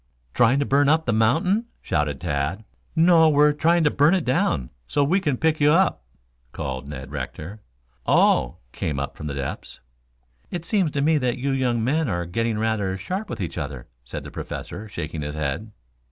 "Trying to burn up the mountain?" shouted Tad. "No; we're trying to burn it down, so we can pick you up," called Ned Rector. "Oh," came up from the depths. "It seems to me that you young men are getting rather sharp with each other," said the Professor, shaking his head.